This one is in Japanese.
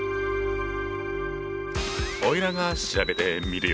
おいらが調べてみるよ。